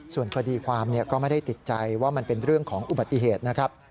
ส่วนคดีความก็ไม่ได้ติดใจว่ามันเป็นเรื่องของอุบัติเหตุนะครับ